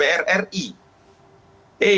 saya pernah melakukan ipu di teheran